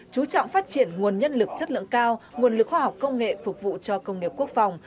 chú trọng phát triển nguồn nhân lực chất lượng cao nguồn lực khoa học công nghệ phục vụ cho công nghiệp quốc phòng